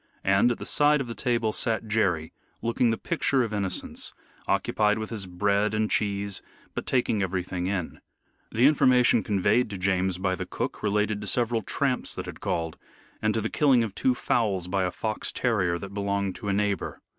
And at the side of the table sat Jerry, looking the picture of innocence, occupied with his bread and cheese, but taking everything in. The information conveyed to James by the cook related to several tramps that had called, and to the killing of two fowls by a fox terrier that belonged to a neighbor.